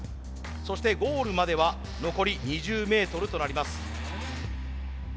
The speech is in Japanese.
そしてゴールまでは残り２０ｍとなります。